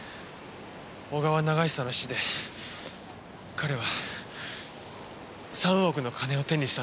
小川長久の死で彼は３億の金を手にしたんです。